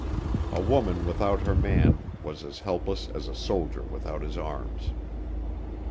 A woman without her man was as helpless as a soldier without his arms.